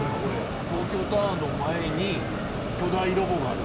東京タワーの前に巨大ロボがある。